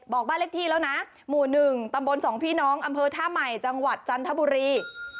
บ้านเลขที่แล้วนะหมู่๑ตำบล๒พี่น้องอำเภอท่าใหม่จังหวัดจันทบุรี